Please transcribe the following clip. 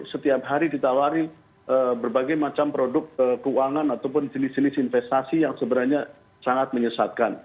setiap hari ditawari berbagai macam produk keuangan ataupun jenis jenis investasi yang sebenarnya sangat menyesatkan